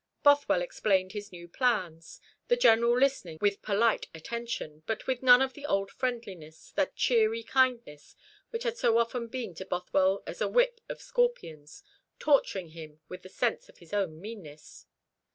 Bothwell explained his new plans, the General listening with polite attention, but with none of the old friendliness, that cheery kindness which had so often been to Bothwell as a whip of scorpions, torturing him with the sense of his own meanness.